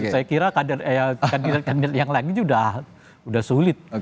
saya kira kandidat kandidat yang lain sudah sulit